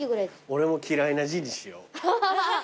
俺も嫌いな字にしよう。